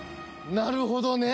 「なるほどね」。